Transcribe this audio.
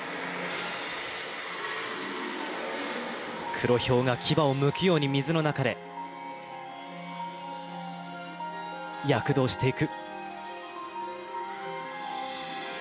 黒豹が牙をむくように、水の中で躍動していく。